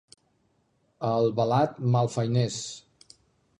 A Albalat, malfeiners.